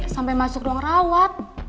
sampai masuk ruang rawat